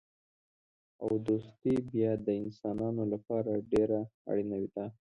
او دوستي بیا د انسانانو لپاره ډېره اړینه ده.